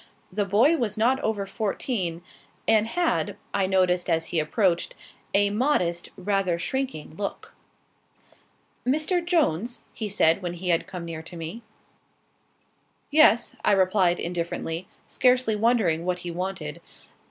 The boy was not over fourteen, and had, I noticed as he approached, a modest, rather shrinking look. "Mr. Jones?" he said, when he had come near to me. "Yes," I replied, indifferently, scarcely wondering what he wanted.